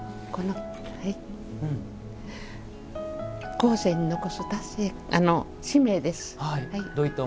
「後世に残す使命」です。